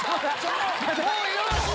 もうよろしい！